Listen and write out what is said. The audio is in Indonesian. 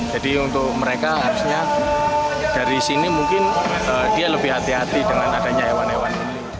jadi untuk mereka harusnya dari sini mungkin dia lebih hati hati dengan adanya hewan hewan